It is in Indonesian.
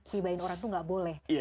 gibahin orang itu tidak boleh